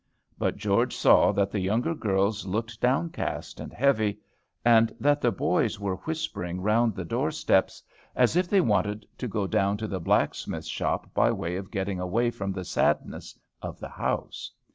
But George saw that the younger girls looked down cast and heavy, and that the boys were whispering round the door steps as if they wanted to go down to the blacksmith's shop by way of getting away from the sadness of the house.